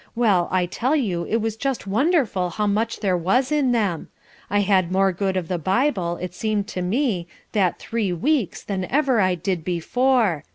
Well, I tell you it was just wonderful how much there was in them. I had more good of the Bible, it seemed to me, that three weeks than I ever did before.